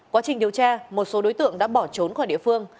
quá trình điều tra một số đối tượng đã bỏ trốn khỏi địa phương